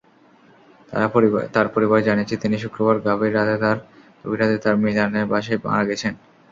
তাঁর পরিবার জানিয়েছে, তিনি শুক্রবার গভীর রাতে তাঁর মিলানের বাসায় মারা গেছেন।